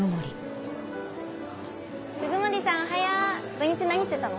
土日何してたの？